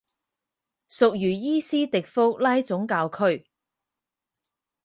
属茹伊斯迪福拉总教区。